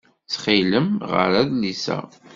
Ttxil-m ɣeṛ adlis-a.